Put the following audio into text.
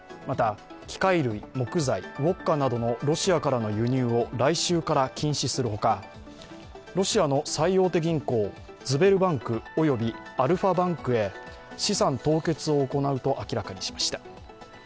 また機械類、木材、ウオッカなどのロシアからの輸入を来週から禁止するほか、ロシアの最大手銀行ズベルバンクおよびアルファバンクへ資産凍結を行うと明らかにしました。